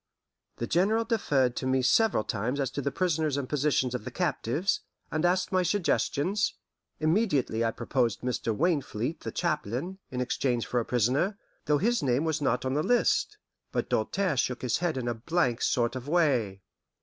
The General deferred to me several times as to the persons and positions of the captives, and asked my suggestions. Immediately I proposed Mr. Wainfleet, the chaplain, in exchange for a prisoner, though his name was not on the list, but Doltaire shook his head in a blank sort of way.